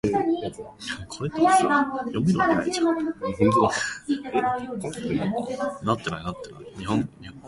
여러분안녕하세요